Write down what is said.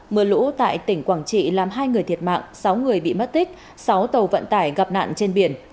mưa lũ tại tỉnh quảng trị làm hai người thiệt mạng sáu người bị mất tích sáu tàu vận tải gặp nạn trên biển